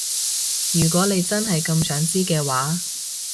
如果你真係咁想知嘅話